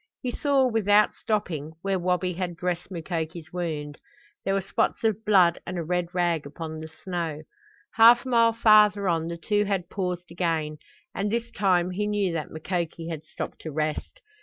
He saw, without stopping, where Wabi had dressed Mukoki's wound. There were spots of blood and a red rag upon the snow. Half a mile farther on the two had paused again, and this time he knew that Mukoki had stopped to rest.